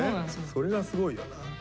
それがすごいよな。